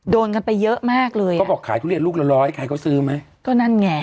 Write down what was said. โดยเงินไปเยอะมากเลยเขาก็บอกขายทุเรียนลูกละ๑๐๐บาทให้ใครซื้อไหมตัวนั้นไง